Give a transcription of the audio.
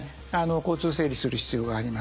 交通整理する必要があります。